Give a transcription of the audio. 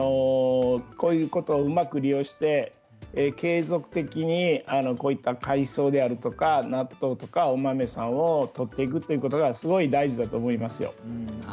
こういうことをうまく利用して継続的にこういった海藻であるとか納豆とかお豆さんをとっていくということがすごい大事だと思いますよ。